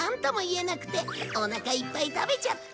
お腹いっぱい食べちゃった。